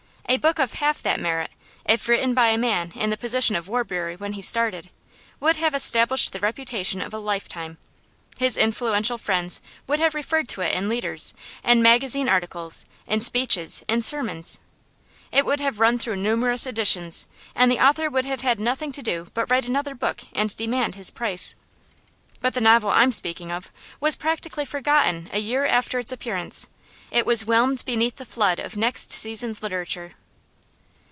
A book of half that merit, if written by a man in the position of Warbury when he started, would have established the reputation of a lifetime. His influential friends would have referred to it in leaders, in magazine articles, in speeches, in sermons. It would have run through numerous editions, and the author would have had nothing to do but to write another book and demand his price. But the novel I'm speaking of was practically forgotten a year after its appearance; it was whelmed beneath the flood of next season's literature.